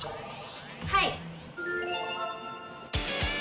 はい！